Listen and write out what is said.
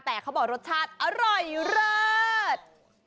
แต่เขาบอกรสชาติอร่อยเลิศ